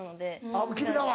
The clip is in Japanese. あっ君らは。